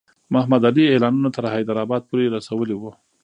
محمدعلي اعلانونه تر حیدرآباد پوري رسولي وو.